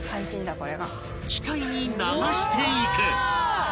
［機械に流していく］